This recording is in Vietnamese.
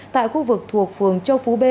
tại khu vực thuộc phường châu phú b